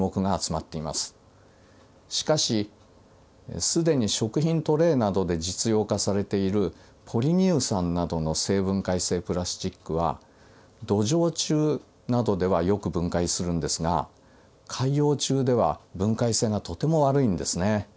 しかし既に食品トレーなどで実用化されているポリ乳酸などの生分解性プラスチックは土壌中などではよく分解するんですが海洋中では分解性がとても悪いんですね。